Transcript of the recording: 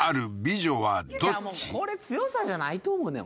これ強さじゃないと思うねん